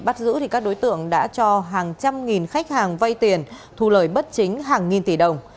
và đến thời điểm này các đối tượng đã cho hàng trăm nghìn khách hàng vay tiền thu lời bất chính hàng nghìn tỷ đồng